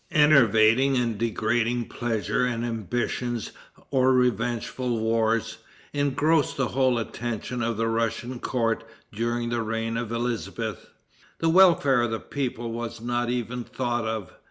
Enervating and degrading pleasure and ambitious or revengeful wars, engrossed the whole attention of the Russian court during the reign of Elizabeth. The welfare of the people was not even thought of.